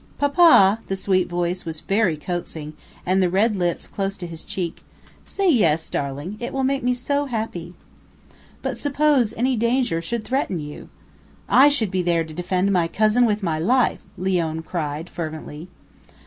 "Papa" the sweet voice was very coaxing, and the red lips close to his cheek "say yes, darling; it will make me so happy." "But suppose any danger should threaten you?" "I should be there to defend my cousin with my life!" Leone cried, fervently.